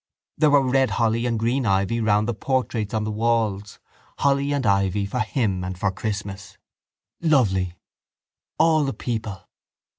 There were red holly and green ivy round the old portraits on the walls. Holly and ivy for him and for Christmas. Lovely... All the people.